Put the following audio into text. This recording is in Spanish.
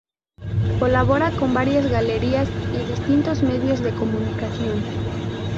Colabora con varias galerías y distintos medios de comunicación.